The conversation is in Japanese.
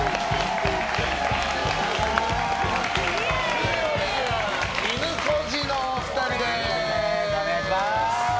金曜レギュラーいぬこじのお二人です！